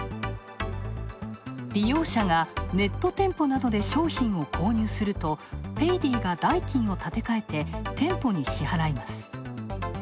利用者がネット店舗などで商品を購入するとペイディが代金を立て替えて、店舗に支払います。